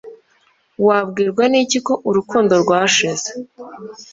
wabwirwa n'iki ko urukundo rwashize